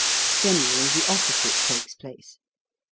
Generally the opposite takes place.